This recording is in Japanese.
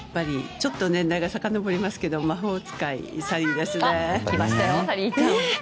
ちょっと年代がさかのぼりますけど「魔法使いサリー」ですね。